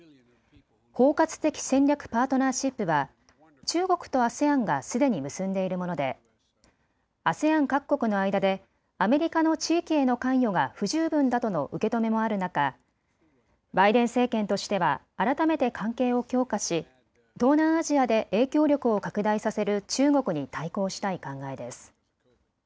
包括的戦略パートナーシップは中国とＡＳＥＡＮがすでに結んでいるものでＡＳＥＡＮ各国の間でアメリカの地域への関与が不十分だとの受け止めもある中、バイデン政権としては改めて関係を強化し東南アジアで影響力を拡大させる中国に対抗したい考えです。